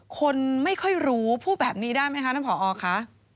คนไม่ค่อยรู้พูดแบบนี้ได้ไหมคะท่านผอคะ